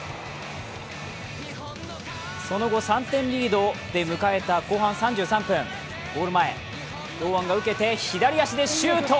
その後３点リードで迎えた後半３３分ゴール前、堂安が受けて左足でシュート。